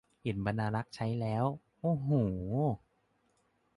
เห็นบรรณารักษ์ใช้แล้ว โอ้โห